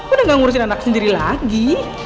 udah gak ngurusin anak sendiri lagi